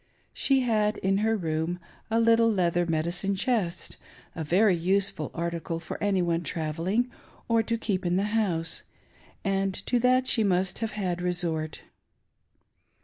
She had in her room a little leather medicine chest — a very useful article for any one travelling, or to keep in the house — and to that she must have had resort.